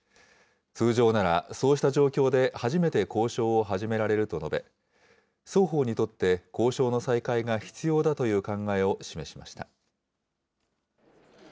通常なら、そうした状況で初めて交渉を始められると述べ、双方にとって交渉の再開が必要だという考えを示しました。